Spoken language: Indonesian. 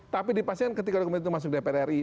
tapi dipastikan ketika dokumen itu masuk dpr ri